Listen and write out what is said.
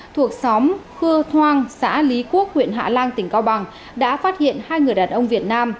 thuộc xóm khưa thoang xã lý quốc huyện hạ lan tỉnh cao bằng đã phát hiện hai người đàn ông việt nam